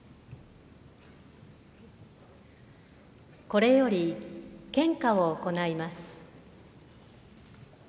これより献花を行います。